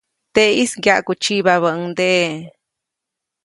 Teʼis ŋgyaʼkutsyibabäʼuŋdeʼe.